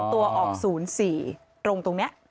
ตัวออก๐๔ตรงนี้